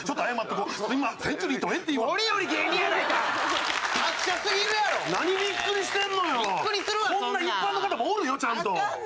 こんな一般の方もおるよちゃんと。